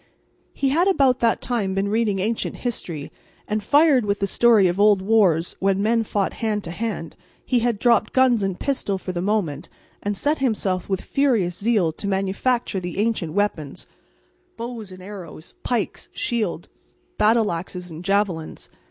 He had about that time been reading ancient history, and fired with the story of old wars when men fought hand to hand, he had dropped guns and pistols for the moment and set himself with furious zeal to manufacture the ancient weapons bows and arrows, pikes, shield, battle axes and javelins.